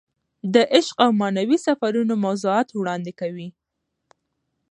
د عشق او معنوي سفرونو موضوعات وړاندې کوي.